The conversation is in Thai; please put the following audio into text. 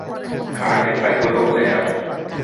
ขายกันไปทั่วโลกแล้ว